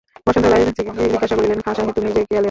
বসন্ত রায় জিজ্ঞাসা করিলেন, খাঁ সাহেব, তুমি যে গেলে না?